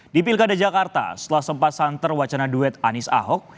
di pilkada jakarta setelah sempat santer wacana duet anies ahok